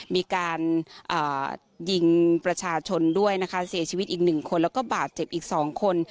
มีการยิงประชาชนด้วยนะคะเสียชีวิตอีกหนึ่งคนแล้วก็บาดเจ็บอีก๒คน